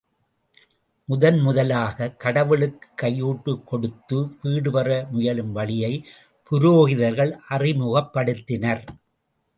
முதன் முதலாகக் கடவுளுக்குக் கையூட்டுக் கொடுத்து வீடு பெற முயலும் வழியை, புரோகிதர்கள் அறிமுகப்படுத்தினர்.